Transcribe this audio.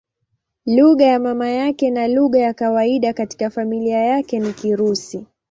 Lugha ya mama yake na lugha ya kawaida katika familia yake ni Kirusi.